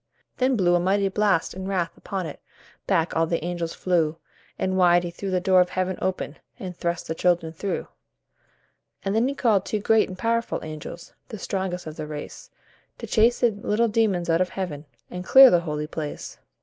Then blew a mighty blast in wrath upon it; Back all the angels flew, And wide he threw the door of heaven open, And thrust the children through. And then he called two great and powerful angels, The strongest of the race, To chase the little demons out of Heaven, And clear the holy place.